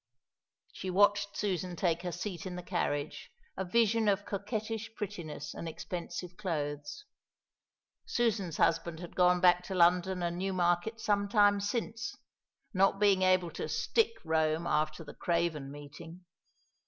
She watched Susan take her seat in the carriage a vision of coquettish prettiness and expensive clothes. Susan's husband had gone back to London and Newmarket some time since, not being able to "stick" Rome after the Craven meeting.